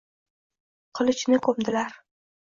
Qilichini ko’mdilar.